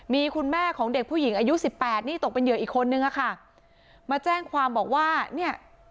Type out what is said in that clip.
มีคุณแม่ของเด็กผู้หญิงอายุสิบแปดนี่ตกเป็นเหยื่ออีกคนนึงอะค่ะมาแจ้งความบอกว่าเนี่ย